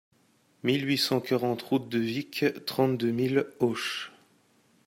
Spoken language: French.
mille huit cent quarante route de Vic, trente-deux mille Auch